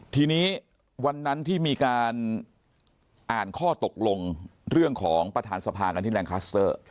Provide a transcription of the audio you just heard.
ทีนี้วันนั้นที่มีการอ่านข้อตกลงเรื่องของประธานสภากันที่แรงคัสเตอร์